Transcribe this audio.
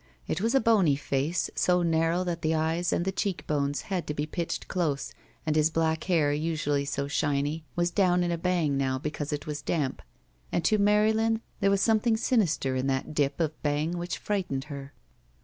It was a bony face, so narrow that the eyes and the cheek bones had to be pitched dose, and his black hair, usually so shiny, was down in a bang now, because it was damp, and to Marylin there was something sinister in that dip of bang which frightened her.